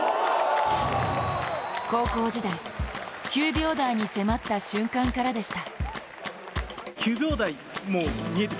高校時代、９秒台に迫った瞬間からでした。